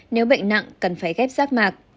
nếu bệnh nặng cần phải ghép sắc mạc